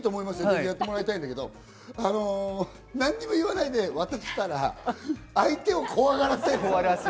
やってもらいたいんだけど、何も言わないで渡したら相手を怖がらせる。